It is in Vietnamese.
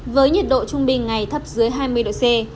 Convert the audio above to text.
với nhiệt độ trung bình ngày thấp dưới hai mươi độ c